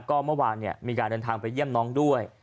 ก็เมื่อวานมีการเดินทางไปเยี่ยมน้องด้วย